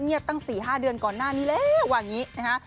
นี่ตั้งสี่ห้าเดือนก่อนหน้านี่เลยแหวนงี้นะฮะ